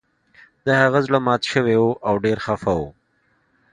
د هغه زړه مات شوی و او ډیر خفه و